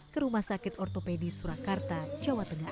ke rumah sakit ortopedi surakarta jawa tengah